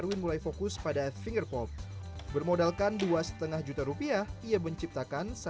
ini dari sisa batu nisan bukan